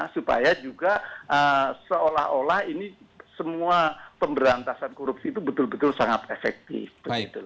supaya juga seolah olah ini semua pemberantasan korupsi itu betul betul sangat efektif